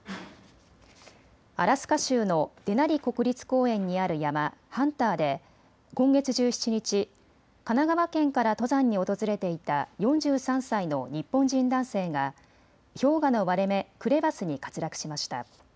アラスカ州のデナリ国立公園にある山、ハンターで今月１７日、神奈川県から登山に訪れていた４３歳の日本人男性が氷河の割れ目、クレバスに滑落しました。